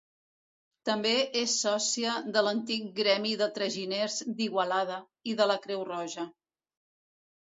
També és sòcia de l'Antic Gremi de Traginers d'Igualada, i de la Creu Roja.